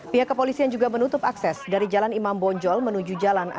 pihak kepolisian juga menutup akses dari jalan imam bonjol menuju jalan